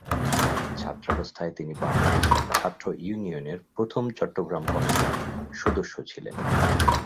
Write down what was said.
ছাত্রাবস্থায় তিনি বাংলাদেশ ছাত্র ইউনিয়নের প্রথম চট্টগ্রাম কমিটির সদস্য ছিলেন।